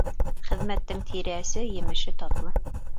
Хеҙмәттең тире әсе, емеше татлы.